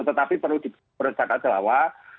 tetapi perlu dipercayakan bahwa